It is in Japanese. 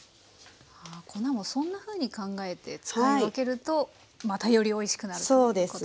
粉もそんなふうに考えて使い分けるとまたよりおいしくなるということなんですね。